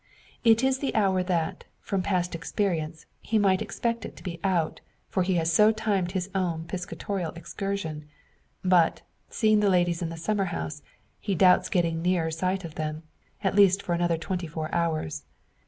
It is the hour that, from past experience, he might expect it to be out for he has so timed his own piscatorial excursion. But, seeing the ladies in the summer house, he doubts getting nearer sight of them at least for another twenty four hours.